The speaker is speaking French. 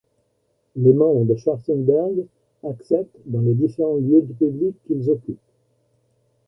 Les membres de Schwarzenberg acceptent dans les différents lieux publics qu'ils occupent.